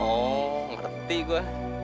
oh ngerti gua